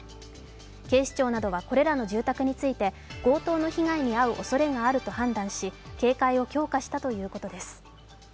警視庁などは、これらの住宅について強盗の被害に遭うおそれがあると判断し、警戒を強化したということです。